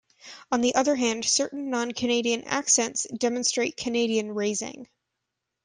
On the other hand, certain non-Canadian accents demonstrate Canadian raising.